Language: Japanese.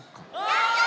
やった！